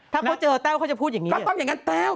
ถ้าเขาเจอแต้วเขาจะพูดอย่างนี้ก็ต้องอย่างนั้นแต้ว